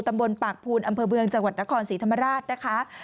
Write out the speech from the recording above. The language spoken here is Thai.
ตำบลปากภูนอำเภอเมืองจังหวัดนครศรีธรรมราชนะคะ